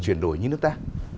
chuyển đổi như nước ta